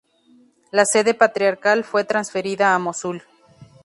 La sede patriarcal fue transferida a Mosul.